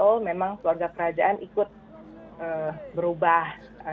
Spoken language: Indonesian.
oh memang keluarga kerajaan ikut berubah